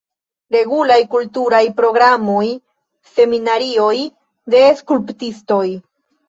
Regulaj kulturaj programoj, seminarioj de skulptistoj.